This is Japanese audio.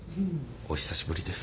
お久しぶりです。